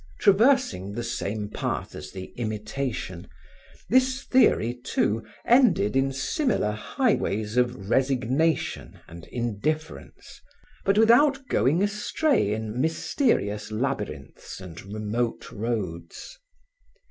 Traversing the same path as the Imitation, this theory, too, ended in similar highways of resignation and indifference, but without going astray in mysterious labyrinths and remote roads.